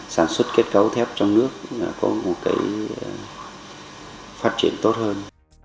sản xuất kết cấu thép trong nước có một cái phát triển tốt hơn